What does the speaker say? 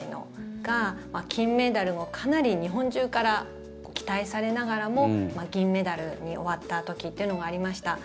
が、金メダルをかなり日本中から期待されながらも銀メダルに終わった時というのがありました。